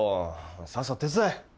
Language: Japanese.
さっさと手伝え。